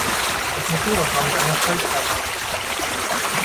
Das Motorrad war mit einer Faltgarage bedeckt.